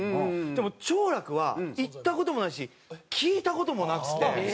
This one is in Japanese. でも兆楽は行った事もないし聞いた事もなくて。